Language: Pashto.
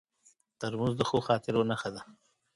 ترموز د ښو خاطرو نښه ده.